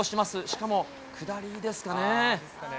しかも下りですかね。